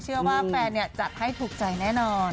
เชื่อว่าแฟนจัดให้ถูกใจแน่นอน